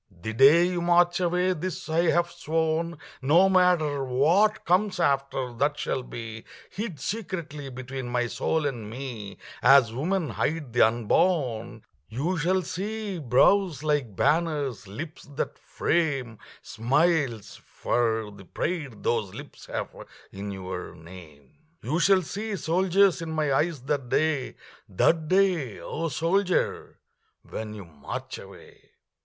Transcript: The day you march away this I have sworn, No matter what comes after, that shall be Hid secretly between my soul and me As women hide the unborn You shall see brows like banners, lips that frame Smiles, for the pride those lips have in your name. You shall see soldiers in my eyes that day That day, O soldier, when you march away.